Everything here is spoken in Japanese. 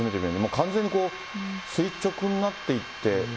完全に垂直になっていって。